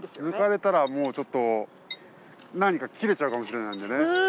抜かれたらもうちょっと何か切れちゃうかもしれないんでね。